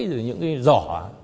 rồi những cái giỏ